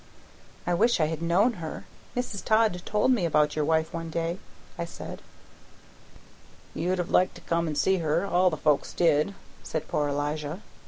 "I wish I had known her; Mrs. Todd told me about your wife one day," I said. "You'd have liked to come and see her; all the folks did," said poor Elijah.